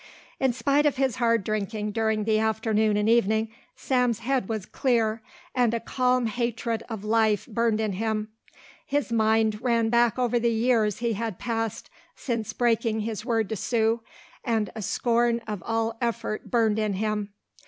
In spite of his hard drinking during the afternoon and evening, Sam's head was clear and a calm hatred of life burned in him. His mind ran back over the years he had passed since breaking his word to Sue, and a scorn of all effort burned in him.